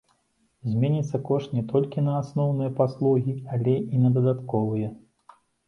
Зменіцца кошт не толькі на асноўныя паслугі, але і на дадатковыя.